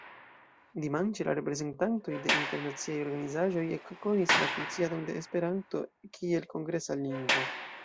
Dimanĉe la reprezentantoj de internaciaj organizaĵoj ekkonis la funkciadon de Esperanto kiel kongresa lingvo.